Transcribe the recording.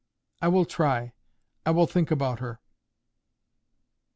"I will try. I will think about her."